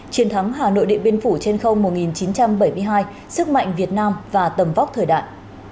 chiến thắng hà nội điện biên phủ trên không một nghìn chín trăm bảy mươi hai sức mạnh việt nam và tầm vóc thời đại